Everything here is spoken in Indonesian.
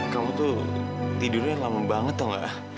kamu tuh tidurnya lama banget tau gak